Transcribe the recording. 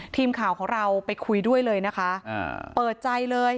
ทีมข่าวของเราไปคุยด้วยเลยนะคะอ่าเปิดใจเลย